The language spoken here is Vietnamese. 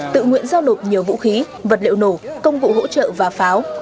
tự nguyện giao nộp nhiều vũ khí vật liệu nổ công cụ hỗ trợ và pháo